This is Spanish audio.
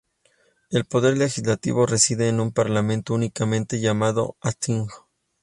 El poder legislativo reside en un parlamento unicameral llamado "Althing".